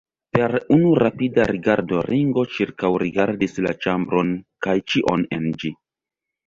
Per unu rapida rigardo Ringo ĉirkaŭrigardis la ĉambron kaj ĉion en ĝi.